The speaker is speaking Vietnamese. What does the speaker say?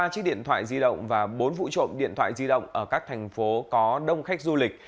ba chiếc điện thoại di động và bốn vụ trộm điện thoại di động ở các thành phố có đông khách du lịch